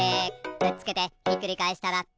「くっつけてひっくり返したらタコ」